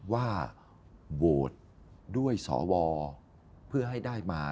ว่าโหวตด้วยสวเพื่อให้ได้มา